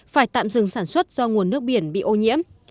phải tạm dừng sản xuất do nguồn nước biển bị ô nhiễm